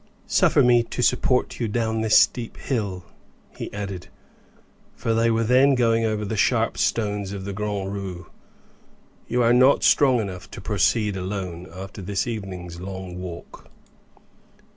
Suffer me to support you down this steep hill," he added, for they were then going over the sharp stones of the Grand Rue; "you are not strong enough to proceed alone, after this evening's long walk."